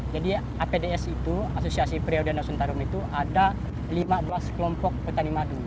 jadi apds itu asosiasi periau danau sentarung itu ada lima belas kelompok petani madu